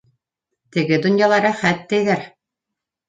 — Теге донъяла рәхәт, тиҙәр.